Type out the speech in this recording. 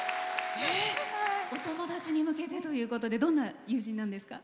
お友達に向けてということでどんな友人なんですか？